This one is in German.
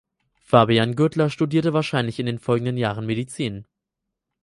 Fabian Gürtler studierte wahrscheinlich in den folgenden Jahren Medizin.